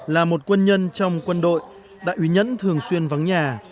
là một quân nhân trong quân đội đại úy nhẫn thường xuyên vắng nhà